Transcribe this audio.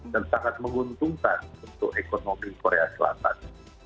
dan sangat menguntungkan untuk ekonomi korea selatan